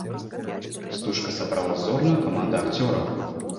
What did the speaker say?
Стужка сабрала зорную каманду акцёраў.